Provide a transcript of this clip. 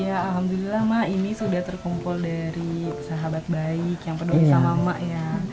ya alhamdulillah mak ini sudah terkumpul dari sahabat baik yang peduli sama mak ya